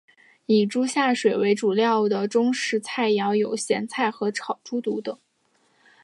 以猪下水为主料的中式菜肴有咸菜炒猪肚等。